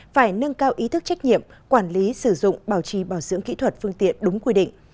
phải nâng cao ý thức trách nhiệm quản lý sử dụng bảo trì bảo dưỡng kỹ thuật phương tiện đúng quy định